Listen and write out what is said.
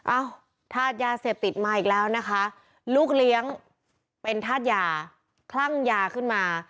อ้าวธาตุยาเสพติดมาอีกแล้วนะคะลูกเลี้ยงเป็นธาตุยาคลั่งยาขึ้นมา